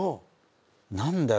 何だよ